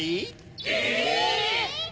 え！